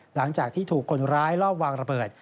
หลังจากที่ถูกคนร้ายรอบวางระเบิด